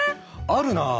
あるなあ。